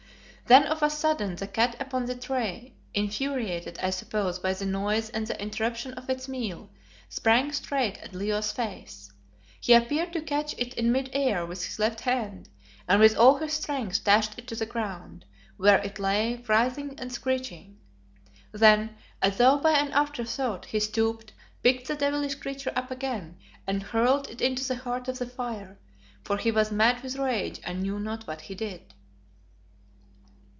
Then of a sudden the cat upon the tray, infuriated, I suppose, by the noise and the interruption of its meal, sprang straight at Leo's face. He appeared to catch it in mid air with his left hand and with all his strength dashed it to the ground, where it lay writhing and screeching. Then, as though by an afterthought, he stooped, picked the devilish creature up again and hurled it into the heart of the fire, for he was mad with rage and knew not what he did.